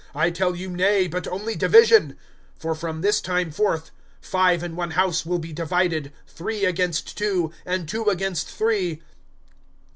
I tell you, nay; but only division. (52)For from this time forth, five in one house will be divided, three against two, and two against three.